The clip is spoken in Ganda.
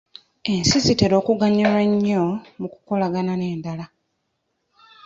Ensi zitera okuganyulwa ennyo mu kukolagana n'endala.